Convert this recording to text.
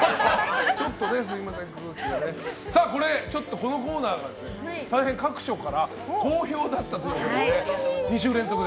このコーナーが大変、各所から好評だったということで２週連続で。